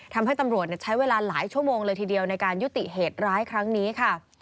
ทำให้ตำรวจใช้เวลาหลายชั่วโมงเลยทีเดียวในการยุติเหตุร้ายครั้งนี้ค่ะ